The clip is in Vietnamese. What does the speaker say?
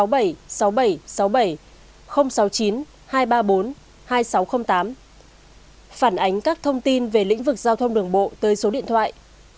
phản ánh các thông tin về lĩnh vực giao thông đường bộ tới số điện thoại chín trăm tám mươi ba